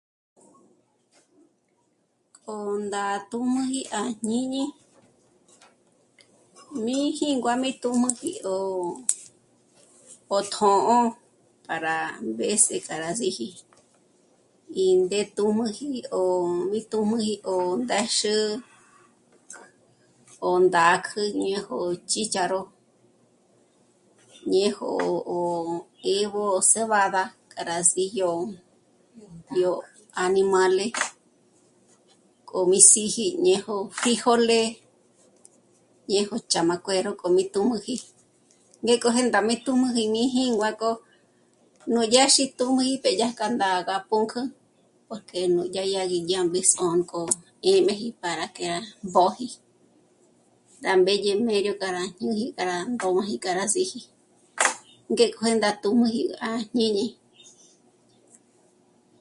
K'o ndá tjǔjmuji à jñíñi mí jíngua mí tǔjmuji 'ó... 'ó tjō̌'ō para veces k'a rá síji, í ndé tǔjmuji 'ó... mí tǔjmuji ndéxü 'ó ndá kjǘjnü kéjyo ró chícharo, ñéjyo 'ó 'éb'o cebada k'a rá síjyo... yó añimále k'o mí síji ñejo fríjole, ñéjo ch'amákuero k'o mí tǔjmuji ngék'o jêndá mí tǔjmuji mí jíngua k'o nú yâxi tǔjmuji mbé dyájkja ndá ná pǔnk'ü porque núdyá yá gí mbéb'e s'ônk'o 'éjm'eji para que rá mbôji. Rá mbédye mério k'a rá ñùji k'a rá mbôji k'a rá síji, ngéko jê ndá tǔjmuji à jñíñi